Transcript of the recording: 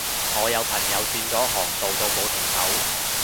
我有朋友轉咗行做到冇停手